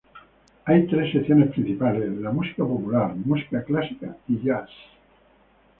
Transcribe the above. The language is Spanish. Hay tres secciones principales -la música popular, música clásica y jazz.